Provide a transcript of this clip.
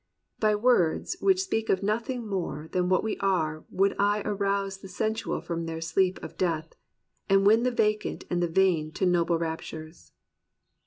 " By words Which speak of nothing more than what we are Would I arouse the sensual from their sleep Of Death, and win the vacant and the vain To noble raptures."